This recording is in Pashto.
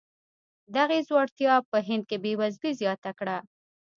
دغې ځوړتیا په هند کې بېوزلي زیاته کړه.